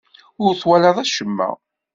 Ur twalaḍ acemma.